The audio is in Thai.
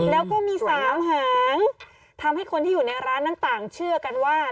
แล้วก็มีสามหางทำให้คนที่อยู่ในร้านนั้นต่างเชื่อกันว่า